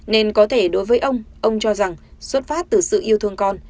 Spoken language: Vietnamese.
nên có thể đối với ông ông cho rằng xuất phát từ sự yêu thương con